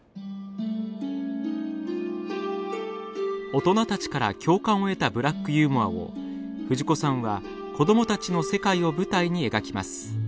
大人たちから共感を得たブラックユーモアを藤子さんは子どもたちの世界を舞台に描きます。